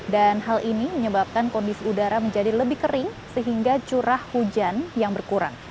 dan hal ini menyebabkan kondisi udara menjadi lebih kering sehingga curah hujan yang berkurang